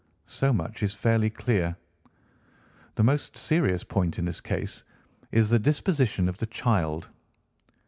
So much is fairly clear. The most serious point in the case is the disposition of the child."